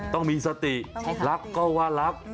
ต้องมีสติรักก็ว่ารัก